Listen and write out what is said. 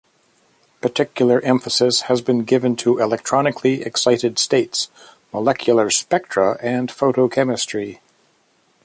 Particular emphasis has been given to electronically excited states, molecular spectra and photochemistry.